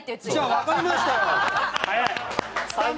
分かりましたよ！